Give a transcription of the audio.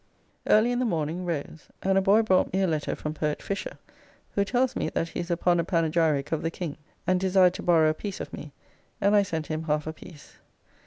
Early in the morning rose, and a boy brought me a letter from Poet Fisher, who tells me that he is upon a panegyrique of the King, and desired to borrow a piece of me; and I sent him half a piece.